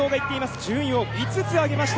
順位を５つ上げました。